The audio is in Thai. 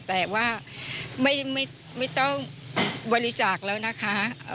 แต่ว่าไม่ต้องบริจาคแล้วนะคะ